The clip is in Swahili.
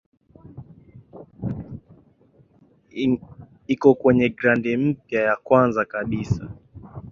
iko kwenye gradi mpya ya kwanza kabisa